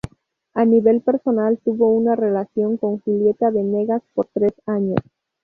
A nivel personal tuvo una relación con Julieta Venegas por tres años.